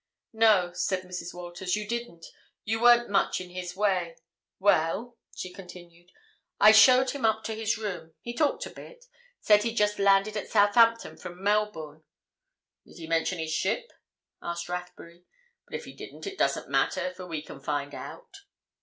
"No," said Mrs. Walters. "You didn't—you weren't much in his way. Well," she continued, "I showed him up to his room. He talked a bit—said he'd just landed at Southampton from Melbourne." "Did he mention his ship?" asked Rathbury. "But if he didn't, it doesn't matter, for we can find out."